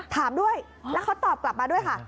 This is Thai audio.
ถามด้วยแล้วเขาตอบกลับมาด้วยค่ะ